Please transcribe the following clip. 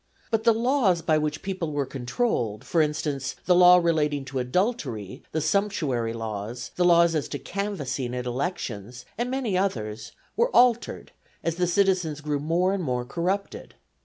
But the laws by which the people were controlled, as for instance the law relating to adultery, the sumptuary laws, the law as to canvassing at elections, and many others, were altered as the citizens grew more and more corrupted.